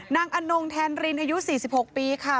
อนงแทนรินอายุ๔๖ปีค่ะ